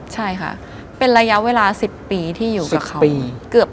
ใช่ค่ะเป็นระยะเวลา๑๐ปีที่อยู่กับเขาเกือบ